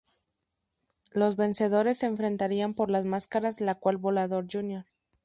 Los vencedores se enfrentarían por las máscaras la cual Volador Jr.